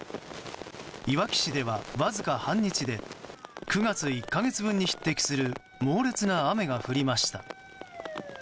いわき市ではわずか半日で９月１か月分に匹敵する猛烈な雨が降りました。